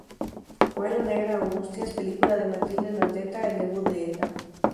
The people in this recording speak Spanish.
Fue en "La negra Angustias", película de Matilde Landeta, el debut de Elda.